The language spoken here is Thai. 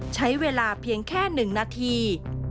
ใช้เวลาเพียงแค่๑นาที